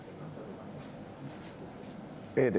Ａで。